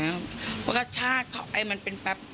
เพราะก็ชากอ่ะไอมันเป็นแป๊ป